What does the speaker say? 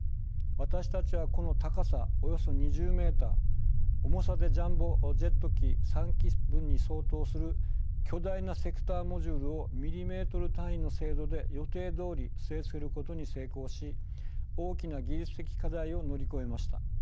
私たちはこの高さおよそ２０ｍ重さでジャンボジェット機３機分に相当する巨大なセクターモジュールをミリメートル単位の精度で予定どおり据え付けることに成功し大きな技術的課題を乗り越えました。